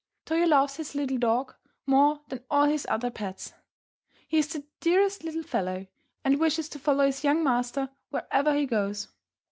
Toyo loves his little dog more than all his other pets. He is the dearest little fellow, and wishes to follow his young master wherever he goes.